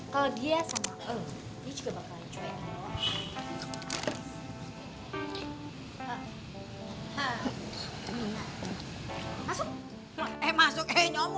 kalau dia sama el dia juga bakalan cuek